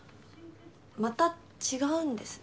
また違うんですね。